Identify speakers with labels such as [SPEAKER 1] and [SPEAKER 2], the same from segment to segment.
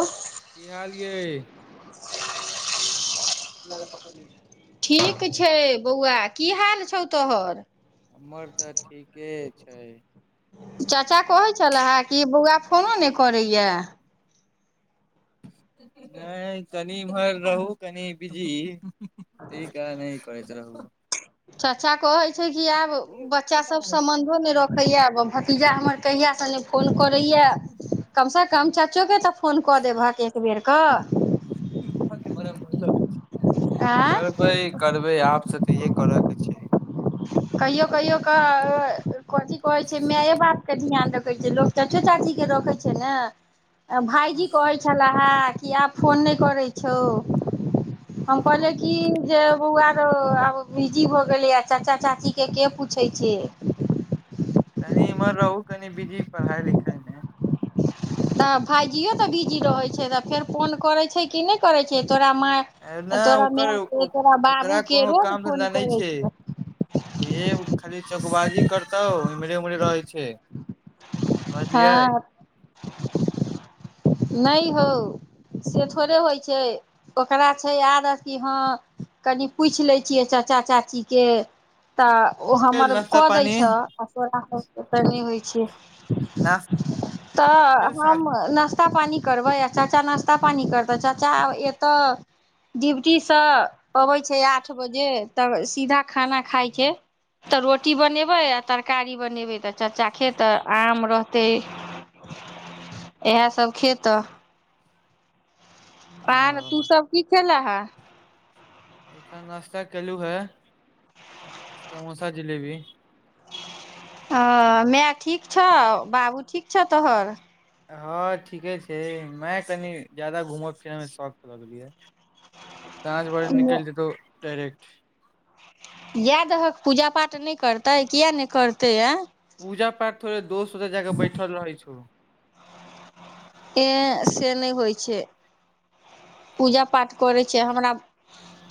[SPEAKER 1] ओह
[SPEAKER 2] की हाल यै
[SPEAKER 1] ठीक छै बौआ की हाल छौ तोहर
[SPEAKER 2] हमर तऽ ठीके छै
[SPEAKER 1] चाचा कहै छलेे ह कि बौआ फोनो नइ करै य
[SPEAKER 2] नइ तनी इमहर रहू कनी बीजी ई का नहि करैत रहु
[SPEAKER 1] चचा कहई छै कि आब बच्चा सब सम्बन्धो नइ रखै य पुजा हमर कहिया सँ नइ फोन करै य कम से कम च [unintelligible] तऽ फोन कऽ देब आहाँ के एक बेेर कऽ
[SPEAKER 2] के बराबर ध देय छै
[SPEAKER 1] आँय
[SPEAKER 2] करबै करबै आप से तऽ इहे करअ के छै
[SPEAKER 1] कहियो कहियो क कथी कहै छै मे‌ए बाप के ध्यान छै लोक चाचो चाची के रखै छै ने भइजी कहै छला हँ किया आब फोन नइ करै छौ हम कहलिये कि जे बौआ रौ आब बिजी भऽ गेलियै चाचा चाची के के पूछै छै
[SPEAKER 2] कनि इम्हर रहू कनि बिजी पढ़ाइ लिखाईमे
[SPEAKER 1] तऽ भाइजियो तऽ बिजी रहैत छै तऽ फेर फोन करैत छै कि नहि करैत छै तोरा माँ
[SPEAKER 2] नहि
[SPEAKER 1] तोरा
[SPEAKER 2] ओकर
[SPEAKER 1] मायके तोरा
[SPEAKER 2] ओकरा
[SPEAKER 1] बाबूके
[SPEAKER 2] कोनो
[SPEAKER 1] रोज
[SPEAKER 2] काम
[SPEAKER 1] फोन
[SPEAKER 2] धन्धा नहि
[SPEAKER 1] करै
[SPEAKER 2] छै खाली चकबाजी करतौ मरे उमड़े रहै छै समझलियै
[SPEAKER 1] हँ नहि हौ से थोड़े होइ छै ओकरा छै आदत कि हँ कनि पूछि लैत छियै चाचा चाचीके तऽ ओ
[SPEAKER 2] भेल
[SPEAKER 1] हमर
[SPEAKER 2] नाश्ता
[SPEAKER 1] कऽ दै
[SPEAKER 2] पानी
[SPEAKER 1] छह आ तोरा ओत नहि होइ छियै
[SPEAKER 2] नाश्ता
[SPEAKER 1] तऽ
[SPEAKER 2] भेल साँझ
[SPEAKER 1] हम न नास्ता पानी करबै आ चाचा नास्ता पानी करतै चाचा एतऽ ड्यूटी से अबै छै आठ बजे तऽ सीधा खाना खाय छै तऽ रोटी बनेबै आ तरकारी बनेबै तऽ चाचा खेतऽ रहतै इह सब खेतऽ प तू
[SPEAKER 2] ओ
[SPEAKER 1] सब की खेला हे
[SPEAKER 2] एखन नास्ता केलु ह समोसा जिलेबी
[SPEAKER 1] ह मेए ठीक छ बाबू ठीक छ तोहर
[SPEAKER 2] हँ ठीके छै मै कनी ज्यादा घूमय फिरयमे शौक लगलियै साँझ भोर निकलि जेतौ डायरेक्ट
[SPEAKER 1] इएह दहक पूजा पाठ नहि करते किया ने करते अ
[SPEAKER 2] पूजा पाठ थोड़े दोस्त ओत जाक बैठल रहै छौ
[SPEAKER 1] ए से नहि होइ छै पूजा पाठ करैत छै हमरा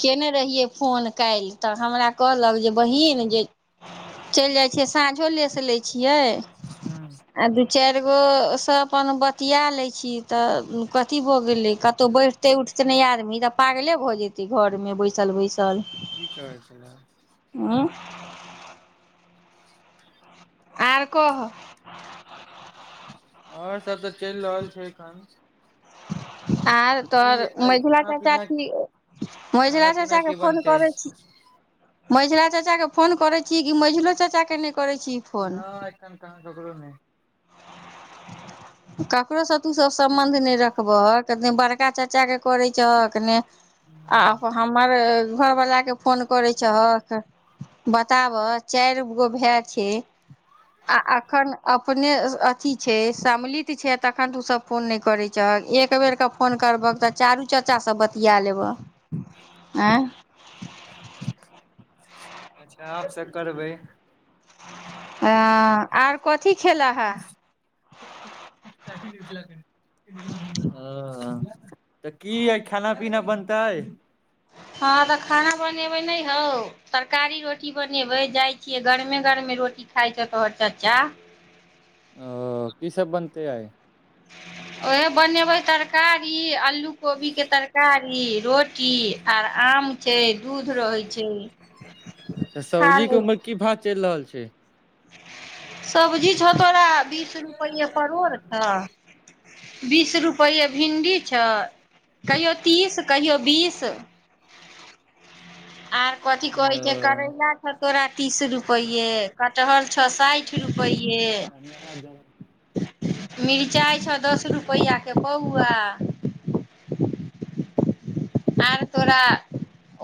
[SPEAKER 1] कयने रहियै फोन काल्हि तऽ हमरा कहलक जे बहिन चलि जाइ छियै साँझो लेसँ लैत छियै
[SPEAKER 2] ह
[SPEAKER 1] अद चारि गो सब अपन बतिया लै छी तऽ कथी भऽ गेलै कतहु बैठतै उठतै नहि आदमी तऽ पागले भऽ जेतै घरमे बैसल बैसल
[SPEAKER 2] ईी कवल छल
[SPEAKER 1] उँ आर कहऽ
[SPEAKER 2] आओर सब तऽ चलि रहल छै एखन
[SPEAKER 1] आर
[SPEAKER 2] तऽ की
[SPEAKER 1] तोहर
[SPEAKER 2] आइ
[SPEAKER 1] मझिला
[SPEAKER 2] खाना
[SPEAKER 1] चाचा
[SPEAKER 2] पीना
[SPEAKER 1] छी
[SPEAKER 2] खाना
[SPEAKER 1] मझिला
[SPEAKER 2] पीना
[SPEAKER 1] चाचाके
[SPEAKER 2] की
[SPEAKER 1] फोन
[SPEAKER 2] बनतै
[SPEAKER 1] करैत छी मझिला चाचा के फोन करे छी कि मझिलो चाचा केने
[SPEAKER 2] नहि एखन क सगल नहि
[SPEAKER 1] ककरोसँ तूसभ सम्बन्ध नहि रखबह नहि बड़का चाचाके करैत छहक ने आ हमर घर वाला के फोन करे छै चहक बताबह चारि गो भाय छै आ अखन अपने अथी छै सम्मिलित छै तखन तू सब फोन नहि करे छहक एक बेर के फोन करबह तऽ चारू चाचा सब बता या लेबऽ आँ
[SPEAKER 2] अच्छा आबसँ करबै
[SPEAKER 1] आर कथी खेलह हे
[SPEAKER 2] हं तऽ की आइ खाना पीना बनतै
[SPEAKER 1] हँ तऽ खाना बनेबै बै नहि हौ तरकारी रोटी बनेबै जाइ छियै गरमे गरमे रोटी खाइ छौ तोहर चचा
[SPEAKER 2] अ की सब बनतै आय
[SPEAKER 1] उहे बनेबै तरकारी अलू आलू कोबी के तड़कार री रोटी आ आम छै दूध रहै छै
[SPEAKER 2] तऽ
[SPEAKER 1] खा
[SPEAKER 2] सब्जी के
[SPEAKER 1] लै
[SPEAKER 2] उमर
[SPEAKER 1] छै
[SPEAKER 2] की भाव चलि रहल छै
[SPEAKER 1] सबजी छ तोरा बीस रुपैये परोर छौ बीस रुपै भिंडी छ कहियो तीस कहियौ बीस आ कथी कहै छै
[SPEAKER 2] ओ
[SPEAKER 1] करैला छौ तोरा तीस रुप कठहल छौ साठि रुपे
[SPEAKER 2] ओ
[SPEAKER 1] मिरचाई छौ दस रुपैआके पौआ आर तोरा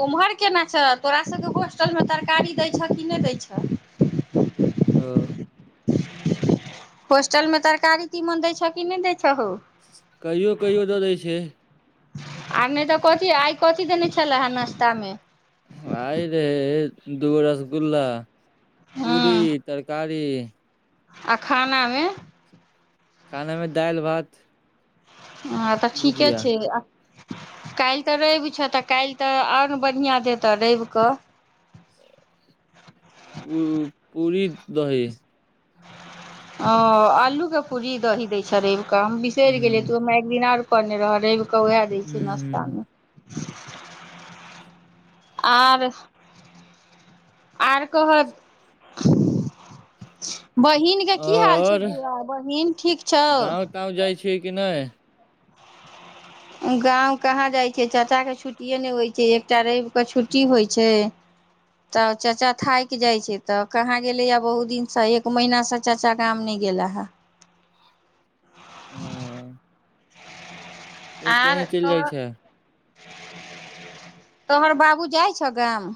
[SPEAKER 1] ओम्हर केना छह तोरा सभके होस्टलमे तरकारी दैत छह कि नहि दै छह
[SPEAKER 2] ओ
[SPEAKER 1] होस्टल मे तरकारी तीमन दै छ कि नहि दै छ हौ
[SPEAKER 2] कहियो कहियो दऽ दै छै
[SPEAKER 1] आय नहि तऽ कथी आइ कथी देने छले हे नाश्ता मे
[SPEAKER 2] आइ रहे दूगो रसगुल्ला
[SPEAKER 1] हँ
[SPEAKER 2] पूरी तरकारी बी
[SPEAKER 1] आ खानामे
[SPEAKER 2] खानेमे दालि भात
[SPEAKER 1] ह तऽ ठीके
[SPEAKER 2] भुजिया
[SPEAKER 1] छै काल्हि तऽ रवि छथि आ काल्हि तऽ आओन बढ़िआँ देतह रवि कऽ
[SPEAKER 2] ओ पी द ही
[SPEAKER 1] ओ आलू के पूरी दही दै छ रवि हम बिसरि
[SPEAKER 2] ह
[SPEAKER 1] गेलियै तू हमरा एक दिन आऔर पने रह रहै दै छै
[SPEAKER 2] ह
[SPEAKER 1] नाश्तामे आर आर कह बहिनके की हाल छौ
[SPEAKER 2] और
[SPEAKER 1] बौआ बहिन ठीक छौ
[SPEAKER 2] गाँव ताँव जाइ छियै कि नहि
[SPEAKER 1] गाव कहाँ जाइ छियै चाचाके छुट्टिए नहि होइ छै एकटा रविके छुट्टी होइ छै तऽ चाचा थाकि जाइ छै तऽ कहाँ गेलैए बहुत दिनसँ एक महीनासँ चाचा गाम नहि गेला हे [unintelligible]
[SPEAKER 2] ओ
[SPEAKER 1] आर
[SPEAKER 2] केने चलि जाइ
[SPEAKER 1] तोहर
[SPEAKER 2] छै
[SPEAKER 1] तोहर बाबू जाइ छ गाम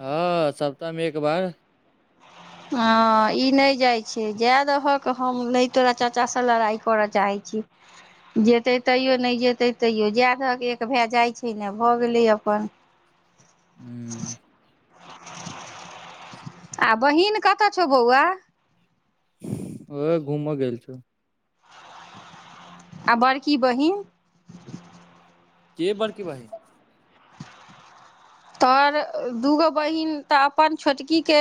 [SPEAKER 2] हँ सप्ताहमे एक बार
[SPEAKER 1] हँ ई नहि जाइ छै जाए दहक हम नहि तोरा चाचासँ लड़ाइ करय चाहै छ जेतै तैओ नहि जेतै तैओ जाए दहक एक भए जाइ छै ने भऽ गेलै अपन
[SPEAKER 2] हू
[SPEAKER 1] आ बहिन कतऽ छौ बौआ
[SPEAKER 2] ह घूम गेल छौ
[SPEAKER 1] आ बड़की बहिन
[SPEAKER 2] के बड़की बहिन
[SPEAKER 1] तोर दूगो बहीन तऽ अपन छोटकीे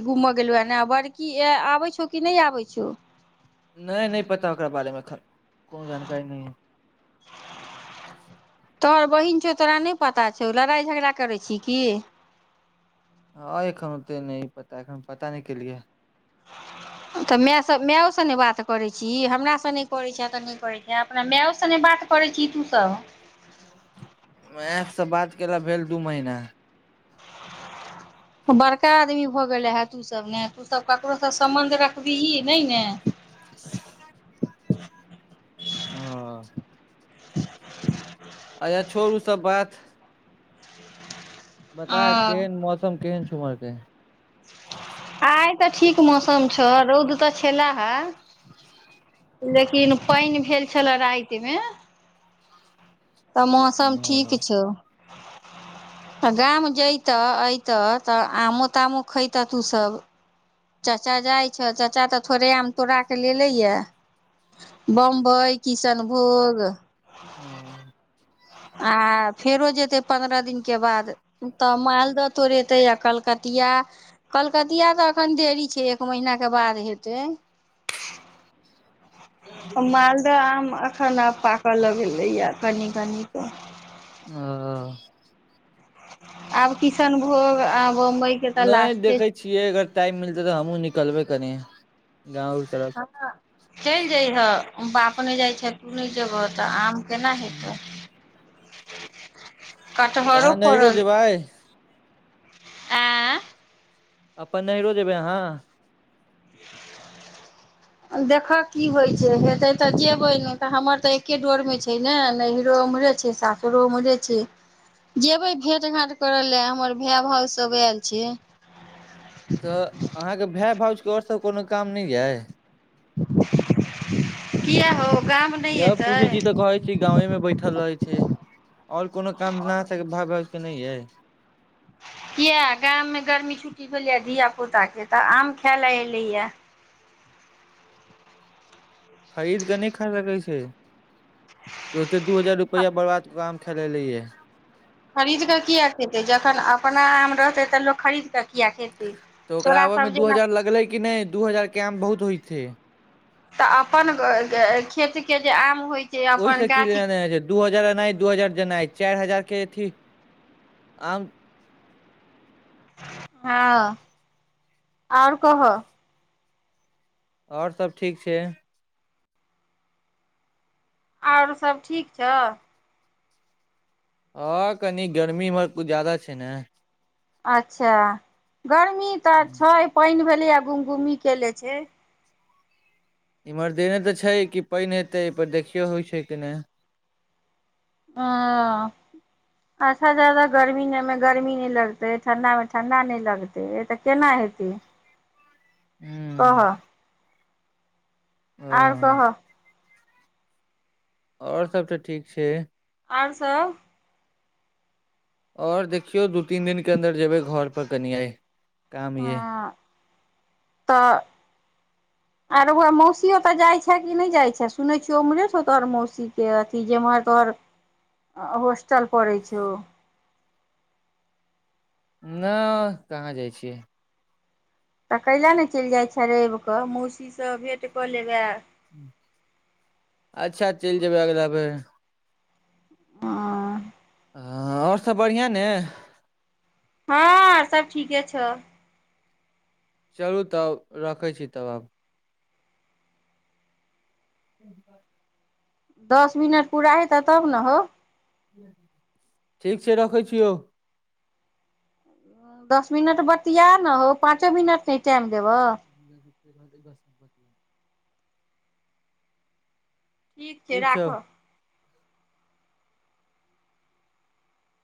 [SPEAKER 1] घूमय गेलहु हे ने बड़की आबै छौ कि नहि आबै छौ
[SPEAKER 2] कोन जानकारी नहि
[SPEAKER 1] [unintelligible] तोहर बहीन छौ तोरा नहि पता छौ लड़ाइ झगड़ा करै छी की
[SPEAKER 2] हँ एखन ओते नहि पता एखन पता नहि केलियै
[SPEAKER 1] तऽ मेएसँ मेएओ सँ नहि बात करैत छी हमरासँ नहि करैत छे तऽ नहि करैत छे अपना मेएओसँ नहि बात करैत छी तूसभ
[SPEAKER 2] मेएसँ बात केला भेल दू महीना
[SPEAKER 1] बड़का आदमी भऽ गेलै हे तूसभ ने तूसभ ककरोसँ सम्बन्ध रखबिही नहि ने
[SPEAKER 2] [unintelligible] ह
[SPEAKER 1] [unintelligible]
[SPEAKER 2] अच्छा छोड़ू सब बात बता
[SPEAKER 1] हँ
[SPEAKER 2] केहन मौसम केन सुमरके
[SPEAKER 1] आइ तऽ ठीक मौसम छौ रौद तऽ छा हे लेकिन पानि भेल छलए रातिमे तऽ मौसम ठीक
[SPEAKER 2] हँ
[SPEAKER 1] छौ गाम जयतह अयतह तऽ आमो तामो खयतह तूसभ चाचा जाइ छौ चाचा तऽ थोड़े आम तोड़ा कऽ लेलेयए बम्बइ किशनभोग
[SPEAKER 2] हँ
[SPEAKER 1] आ फेरो जेतै पन्द्रह दिनके बाद तऽ मालदह तोड़ेतै आ कलकतिया कलकतिया तऽ एखन देरी छै एक महीनाके बाद हेतै मालदह आम अखन पाकऽ लगेलैया कनी कनी [unintelligible]
[SPEAKER 2] ओ
[SPEAKER 1] आब किशनभोग आब
[SPEAKER 2] नहि देखे छियै अगर टाइम मिलतै तऽ हमूँ निकलबै कनी गाँवके तरफ
[SPEAKER 1] हँ चलि जैहे बाप नहि जाइ छे तू नहि जेबह तऽ आम केना हेतै
[SPEAKER 2] तऽ
[SPEAKER 1] कटहरो
[SPEAKER 2] अहाँ नैहरो
[SPEAKER 1] फड़ल
[SPEAKER 2] जेबै
[SPEAKER 1] आँ
[SPEAKER 2] अपन नहिरो जेबै अहाँ
[SPEAKER 1] देखह की होइ छै हेतै तऽ जेयबै ने तऽ हमर तऽ एक्के डोरमे छै ने नेहीरो उम्हरे छै सासुरो उमहरे छै जयबै भेट घाँट करय लेलए हमर भाय भावसभ आयल छै
[SPEAKER 2] तऽ अहाँके भाय भाउज आओर सब कोनो काम नहि य
[SPEAKER 1] किया हौ
[SPEAKER 2] जब पूजै छी तऽ कहै छी गांवे में बैठल रहै छै [inaudible] आओर कोनो काम न भ नहि अइ
[SPEAKER 1] किया गाममे गर्मी छुट्टी भेलैए धिया पुताके तऽ आम खाय लए एलैए
[SPEAKER 2] खरीद कऽ नहि खयलए कहै छै क दू हजार रुपैआ बर्बाद काम खेल लए
[SPEAKER 1] खरीद कऽ किएक खेतै जखन अपना आम रहतै तऽ लोक खरीद कऽ किया खेतै
[SPEAKER 2] तऽ ओकरा
[SPEAKER 1] तोरा
[SPEAKER 2] आबे
[SPEAKER 1] सब
[SPEAKER 2] मे दू
[SPEAKER 1] जेना
[SPEAKER 2] हजार लगले कि नहि दू हजार के आम बहुत होइत छै
[SPEAKER 1] तऽ अपन खेत के जे आम होइ छै
[SPEAKER 2] ओहिस
[SPEAKER 1] अपन
[SPEAKER 2] की
[SPEAKER 1] गाछ
[SPEAKER 2] लनाइ छै दू हजार ए नहि दू हजार जेनाइ चारि हजार के अथी आम
[SPEAKER 1] हँ आओर कहऽ
[SPEAKER 2] आओर सभ ठीक छै
[SPEAKER 1] आरो सभ ठीक छौ
[SPEAKER 2] हँ कनी गर्मी इहर किछु जादा छै ने
[SPEAKER 1] अच्छा गर्मी तऽ छै पानि किया घुम घुमी कैले छै
[SPEAKER 2] इम्हर देने तऽ छै कि पानि हेतै पर देखियौ होइ छै कि नहि
[SPEAKER 1] ओ अच्छा जादा गर्मीमे गर्मी नहि लगतै ठण्ढामे ठण्ढा नहि लगतै तऽ केना हेतै कह आओर
[SPEAKER 2] ह
[SPEAKER 1] कह
[SPEAKER 2] आओर सब तऽ ठीक छै
[SPEAKER 1] आओर सब
[SPEAKER 2] आओर देखियौ दू तीन दिन के अन्दर जेबै घर पर कनि आइ काम यै
[SPEAKER 1] हँ तऽ आंय रौ बौआ मौसी ओतऽ जाइ छे कि नहि जाइ छे सुनै छियौ उम्हरे सँ तोहर मौसीके अथी जेम्हर तोहर होस्टल पड़ै छौ
[SPEAKER 2] नहि कहाँ जाइ छियै
[SPEAKER 1] तऽ कैला नहि चलि जाइत छे रवि कऽ मौसीसँ भेँट कऽ लेबै
[SPEAKER 2] अच्छा चलि जेबै अगिला बेर
[SPEAKER 1] हँ
[SPEAKER 2] हँ आओर सभ बढ़ियां ने
[SPEAKER 1] हँ सब ठीके छौ
[SPEAKER 2] चलू तब रखै छी तब आब ह [inaudible]
[SPEAKER 1] दस मिनट पूरा हेत तब ने हौ
[SPEAKER 2] ठीक छै रखै छियौ
[SPEAKER 1] दस मिनट बतिया ने हो पाँचो मिनट नहि टाइम देबह
[SPEAKER 2] बस ब [unintelligible]
[SPEAKER 1] ठीक छै राखह